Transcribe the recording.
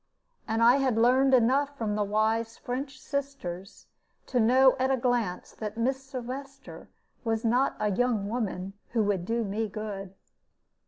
And I had learned enough from the wise French sisters to know at a glance that Miss Sylvester was not a young woman who would do me good.